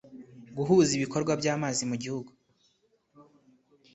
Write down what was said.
Guhuza ibikorwa by amazi mu gihugu